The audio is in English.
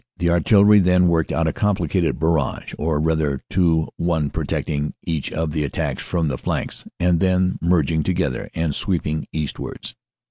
The artillery then worked out a complicated barrage, or rather two, one pro tecting each of the attacks from the flanks, and then merging together and sweeping eastwards.